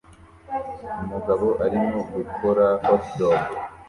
Umugabo arimo gukora hotdog